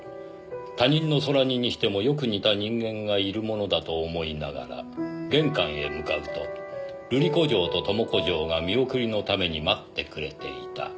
「他人の空似にしてもよく似た人間がいるものだと思いながら玄関へ向かうと瑠璃子嬢と朋子嬢が見送りのために待ってくれていた」